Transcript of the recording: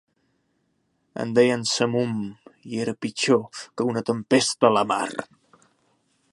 En deien samum i era pitjor que una tempesta a la mar.